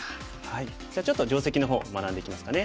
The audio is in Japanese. じゃあちょっと定石の方学んでいきますかね。